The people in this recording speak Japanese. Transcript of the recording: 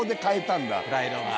プライドが。